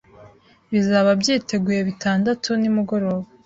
Bizaba byiteguye bitandatu nimugoroba.